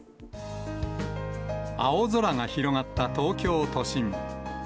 青空が広がった東京都心。